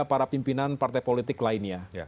para pimpinan partai politik lainnya